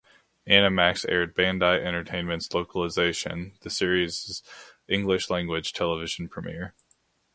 Animax aired Bandai Entertainment's localization, the series' English language television premiere.